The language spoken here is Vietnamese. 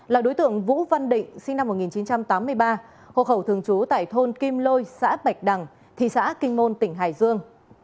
là đối tượng vũ văn định sinh năm một nghìn chín trăm tám mươi ba hộ khẩu thường trú tại thôn kim lôi xã bạch đằng thị xã kinh môn tỉnh hải dương